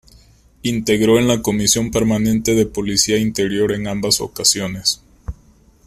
Integró en la Comisión permanente de Policía Interior en ambas ocasiones.